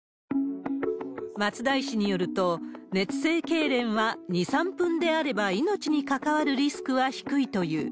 松田医師によると、熱性けいれんは２、３分であれば命に関わるリスクは低いという。